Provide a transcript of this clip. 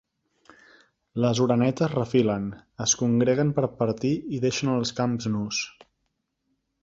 Les orenetes refilen, es congreguen per partir i deixen els camps nus.